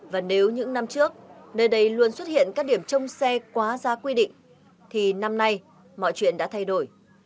và nếu những năm trước nơi đây luôn xuất hiện các điểm trông xe quá ra quy định thì năm nay mọi chuyện đã thay đổi